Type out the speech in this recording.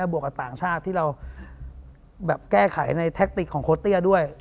บวกกับต่างชาติที่เราแบบแก้ไขในแท็กติกของโค้เตี้ยด้วย